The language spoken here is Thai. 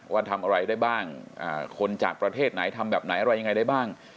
ว่าทำอะไรได้บ้างคนจากประเทศไหนทำแบบไหนอะไรยังไงได้บ้าง